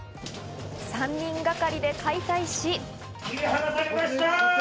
３人がかりで解体し。